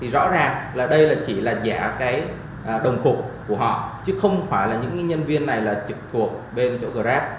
rõ ràng là đây chỉ là giả cái đồng cục của họ chứ không phải là những nhân viên này là trực thuộc bên chỗ grab